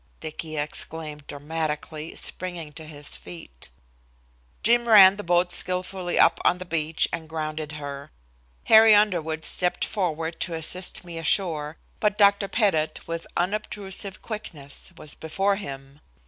Dicky exclaimed dramatically, springing to his feet. Jim ran the boat skilfully up on the beach and grounded her. Harry Underwood stepped forward to assist me ashore, but Dr. Pettit, with unobtrusive quickness, was before him.